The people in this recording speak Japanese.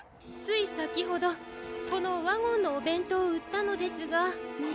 ついさきほどこのワゴンのおべんとうをうったのですが。